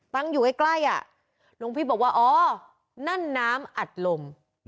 ตั้งอยู่ใกล้อ่ะหลวงพี่บอกว่าอ๋อนั่นน้ำอัดลม